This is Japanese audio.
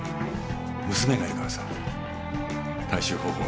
娘がいるからさ回収方法